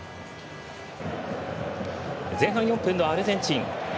前半４分のアルゼンチン。